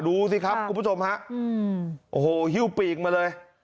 ดูสิครับคุณผู้ชมฮะโอ้โหฮิ้วปีกมาเลย